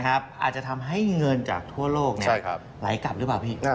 อาจจะทำให้เงินจากทั่วโลกไหลกลับหรือเปล่าพี่